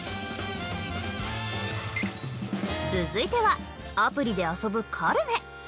続いてはアプリで遊ぶカルネ。